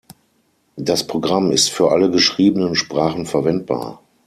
Das Programm ist für alle geschriebenen Sprachen verwendbar.